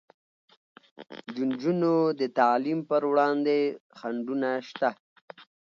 د نجونو د تعلیم پر وړاندې خنډونه شته.